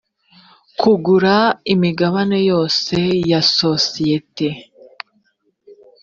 kugura imigabane yose ya sosiyete